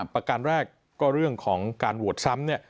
ประการแรกก็เรื่องของการโหวตซ้ำเนี่ย